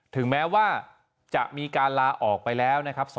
ถึงแม้ว่าจะมีการลาออกไปแล้วนะครับ